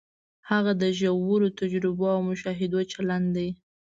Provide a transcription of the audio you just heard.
هغه د ژورو تجربو او مشاهدو چلن دی.